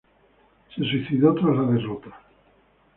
Se suicidó tras la derrota.